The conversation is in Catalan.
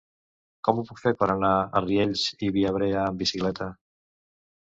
Com ho puc fer per anar a Riells i Viabrea amb bicicleta?